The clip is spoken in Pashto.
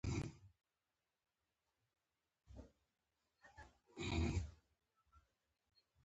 ملا وويل هغوى باغيان دي.